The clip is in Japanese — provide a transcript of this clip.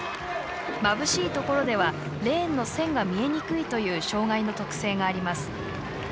まぶしい所ではレーンの線が見えにくいという障がいの特性があります。